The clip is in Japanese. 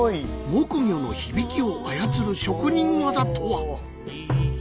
木魚の響きを操る職人技とは？